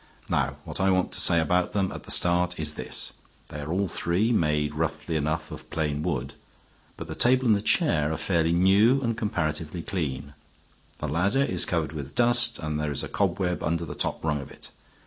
Now what I want to say about them at the start is this. They are all three made roughly enough of plain wood. But the table and the chair are fairly new and comparatively clean. The ladder is covered with dust and there is a cobweb under the top rung of it.